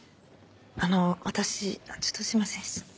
あの私ちょっとすいません。